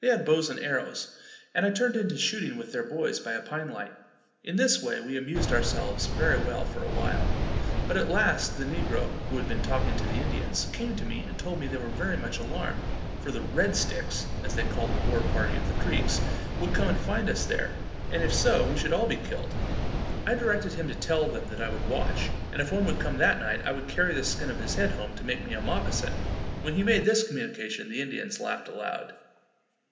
They had bows and arrows, and I turned in to shooting with their boys by a pine light. In this way we amused ourselves very well for a while; but at last the negro, who had been talking to the Indians, came to me and told me they were very much alarmed, for the "red sticks," as they called the war party of the Creeks, would come and find us there; and, if so, we should all be killed. I directed him to tell them that I would watch, and if one would come that night, I would carry the skin of his head home to make me a mockasin. When he made this communication, the Indians laughed aloud.